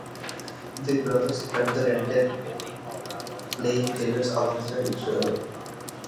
The brothers spent their entire playing careers alongside each other.